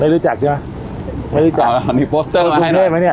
ไม่รู้จักใช่ไหมไม่รู้จักอ๋อนี่โปสเตอร์มาให้หน่อยเอาพูดเล่มไหมเนี้ย